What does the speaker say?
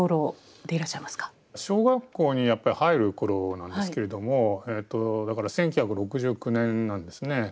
小学校にやっぱり入る頃なんですけれどもだから１９６９年なんですね。